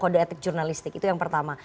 kode etik jurnalistik itu yang pertama